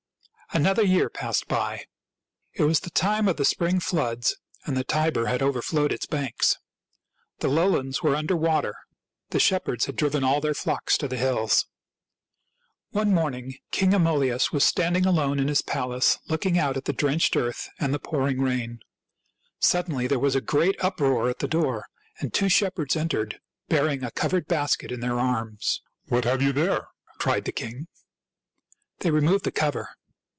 Another year passed by. It was the time of the spring floods, and the Tiber had overflowed its banks. The lowlands were under water. The shepherds had driven all their flocks to the hills. One morning King Amulius was standing alone in his palace looking out at the drenched earth and the pouring rain. Suddenly there was a great uproar at the door, and two shepherds entered bear ing a covered basket in their arms. " What have you there ?" cried the king. They removed the cover.